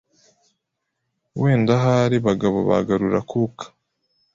wenda ahari bagabo bagarura akuka.